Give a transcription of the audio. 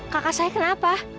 kakak saya kenapa